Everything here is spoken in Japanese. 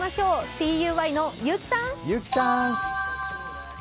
ＴＵＹの結城さん。